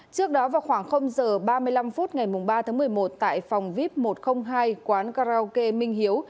trước đó vào khoảng h ba mươi năm phút ngày ba tháng một mươi một tại phòng vip một trăm linh hai quán karaoke minh hiếu